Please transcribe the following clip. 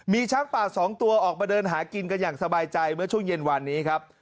มีช้างป่า๒ตัวออกมาเดินหากินกันอย่างสบายใจเมื่อช่วงเย็นวันนี้ครับ